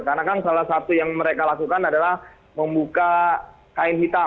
karena kan salah satu yang mereka lakukan adalah membuka kain hitam